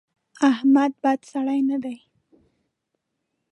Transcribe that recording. احمد بد سړی نه دی.